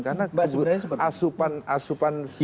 karena asupan asupan dia tidak ada